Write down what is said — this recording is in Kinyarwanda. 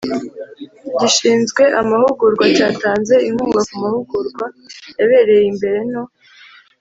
Gishinzwe Amahugurwa cyatanze inkunga ku mahugurwa yabereye imbere no